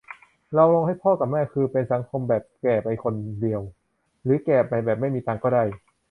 เราลงให้พ่อกะแม่ คือเป็นสังคมแบบแก่ไปคนเดียว หรือแก่ไปแบบไม่มีตังค์ไม่ได้